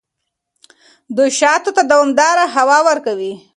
دوی شاتو ته دوامداره هوا ورکوي.